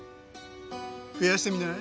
増やしてみない？